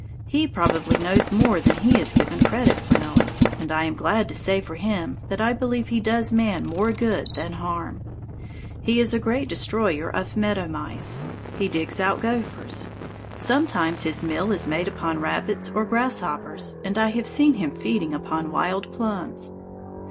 He probably knows more than he is given credit for knowing, and I am glad to say for him that I believe he does man more good than harm. He is a great destroyer of meadow mice. He digs out gophers. Sometimes his meal is made upon rabbits or grasshoppers, and I have seen him feeding upon wild plums.